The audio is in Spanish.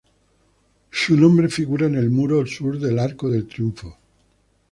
Su nombre figura en el muro sur del Arco del Triunfo.